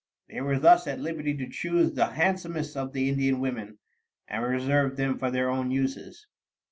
They were thus at liberty to choose the handsomest of the Indian women, and reserve them for their own uses.